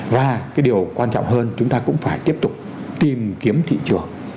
và cái điều quan trọng hơn chúng ta cũng phải tiếp tục tìm kiếm thị trường